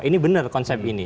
ini benar konsep ini